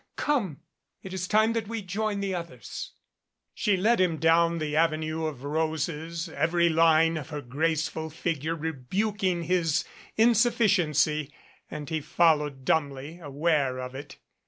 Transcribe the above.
Come, it is time that we joined the others." She led him down the avenue of roses, every line of her graceful figure rebuking his insufficiency, and he followed dumbly, aware of it.